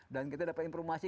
dan kita dapat informasi